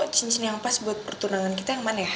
cincin yang pas buat pertunangan kita yang mana ya